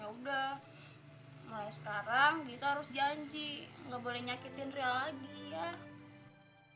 yaudah mulai sekarang gito harus janji gak boleh nyakitin ria lagi ya